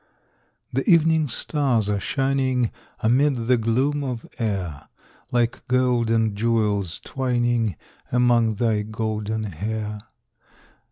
The evening stars are shining Amid the gloom of air, Like gold and jewels twining Among thy golden hair.